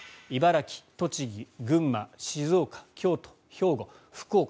茨城、栃木、群馬、静岡京都、兵庫、福岡